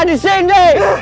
aku baru melihat mereka disini